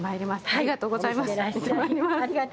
ありがとうございます。